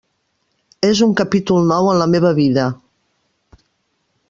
És un capítol nou en la meva vida.